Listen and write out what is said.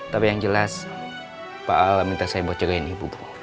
tapi yang jelas pak al minta saya buat jagain ibu bu